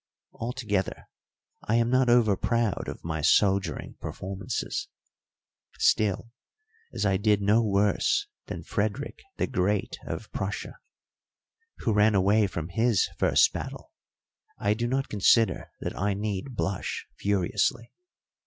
Altogether I am not overproud of my soldiering performances; still, as I did no worse than Frederick the Great of Prussia, who ran away from his first battle, I do not consider that I need blush furiously.